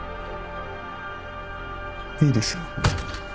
いいですよ。